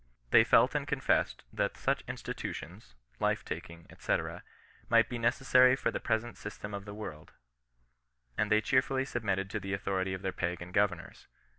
« They felt and confessed that such institutions [life taking, &c.] might be necessary for the present system of the world, and they cheerfully submitted to the authority of their Pagan governors.